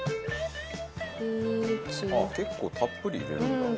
結構たっぷり入れるんだ。